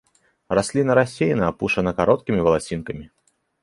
Расліна рассеяна апушана кароткімі валасінкамі.